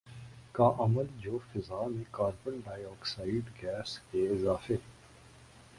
کا عمل جو فضا میں کاربن ڈائی آکسائیڈ گیس کے اضافے